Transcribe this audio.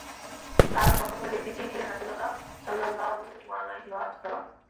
কারণ, বরকতময় ব্যক্তিটিই ছিলেন রাসূলুল্লাহ সাল্লাল্লাহু আলাইহি ওয়াসাল্লাম।